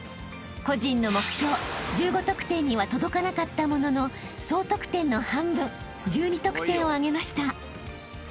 ［個人の目標１５得点には届かなかったものの総得点の半分１２得点を挙げました］